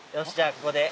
ここで。